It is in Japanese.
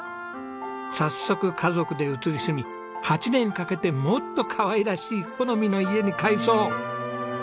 早速家族で移り住み８年かけてもっとかわいらしい好みの家に改装。